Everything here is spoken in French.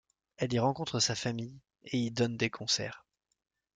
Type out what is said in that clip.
Elle y rencontre sa famille, et y donne des concerts.